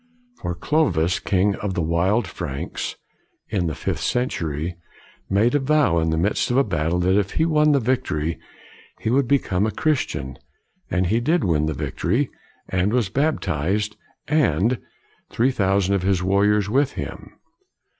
For Clovis, king of the wild Franks, in the fifth century, made a vow in the midst of a battle that if he won the victory he would become a Christian; and he did win the victory, and was baptized, and three thousand of his warriors with him.